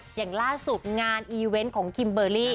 ช่วงนี้ไปนงไปไหนอย่างล่าสุดงานอีเว้นต์ของกิมเบอร์รี่